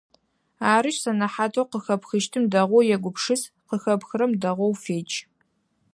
Арышъ, сэнэхьатэу къыхэпхыщтым дэгъоу егупшыс, къыхэпхрэм дэгъоу федж!